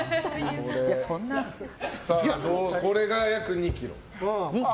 これが、約２ｋｇ。